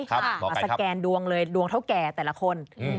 มาสแกนดวงเลยดวงเท่าแก่แต่ละคน